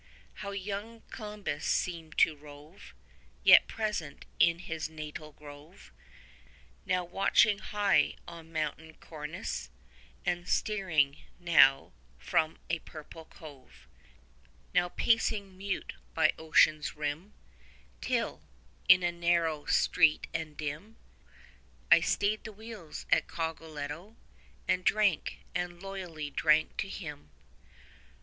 How young Columbus seemed to rove, Yet present in his natal grove, Now watching high on mountain cornice, And steering, now, from a purple cove, 20 Now pacing mute by ocean's rim; Till, in a narrow street and dim, I stayed the wheels at Cogoletto, And drank, and loyally drank to him.